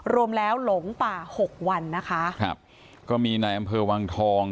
รวมแล้วหลงป่าหกวันนะคะครับก็มีในอำเภอวังทอง